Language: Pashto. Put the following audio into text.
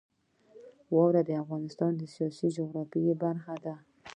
واوره د افغانستان د سیاسي جغرافیه برخه ده.